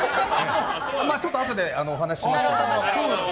ちょっとあとでお話ししますけど。